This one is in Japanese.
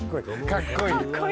かっこいい！